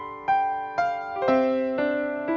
sampai jumpa lagi